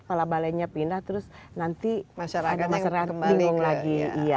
kepala balainya pindah terus nanti masyarakat bingung lagi